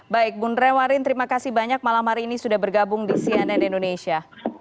baik bung rewarin terima kasih banyak malam hari ini sudah bergabung di cnn indonesia